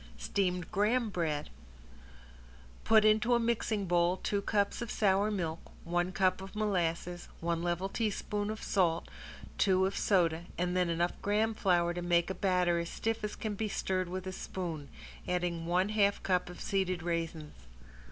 ~STEAMED GRAHAM BREAD~ Put into a mixing bowl two cups of sour milk, one cup of molasses, one level teaspoon of salt, two of soda and then enough graham flour to make a batter as stiff as can be stirred with a spoon, adding one half cup of seeded raisins.